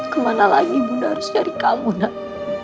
kemana lagi bunda harus cari kamu naya